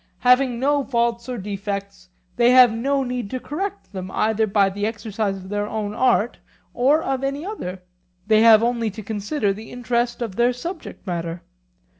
—having no faults or defects, they have no need to correct them, either by the exercise of their own art or of any other; they have only to consider the interest of their subject matter.